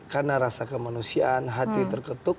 karena rasa kemanusiaan hati terketuk